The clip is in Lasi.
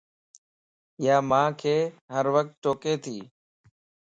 يا مانک ھروقت ٽوڪي تي